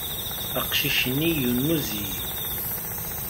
Aqcic-nni yunez-iyi.